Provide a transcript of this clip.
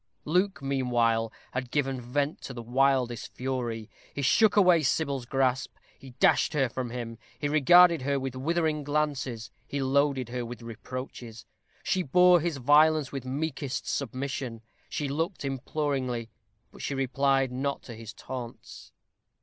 Luke, meanwhile, had given vent to the wildest fury. He shook away Sybil's grasp; he dashed her from him; he regarded her with withering glances; he loaded her with reproaches. She bore his violence with meekest submission; she looked imploringly but she replied not to his taunts.